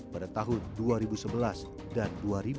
pada tahun dua ribu sebelas dan dua ribu dua puluh